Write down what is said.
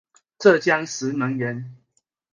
浙江石门人。